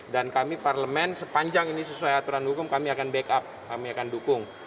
dan kami parlemen sepanjang ini sesuai aturan hukum kami akan backup kami akan dukung